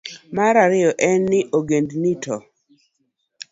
Mar ariyo en ni, ogendini to